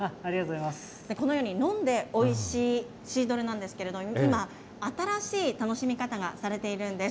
このように飲んでおいしいシードルなんですけれども、今、新しい楽しみ方がされているんです。